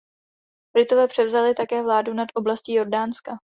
Britové převzali také vládu nad oblastí Jordánska.